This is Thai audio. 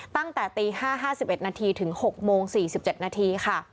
ตั้งแต่ตี๕๕๑นาทีถึง๖โมง๔๗นาทีค่ะ